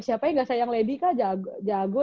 ya siapa yang enggak sayang lady jahe tanku dia aja